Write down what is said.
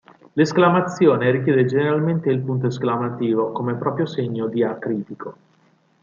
L'esclamazione richiede generalmente il punto esclamativo come proprio segno diacritico.